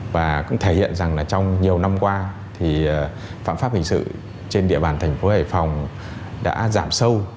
và cũng thể hiện rằng là trong nhiều năm qua thì phạm pháp hình sự trên địa bàn thành phố hải phòng đã giảm sâu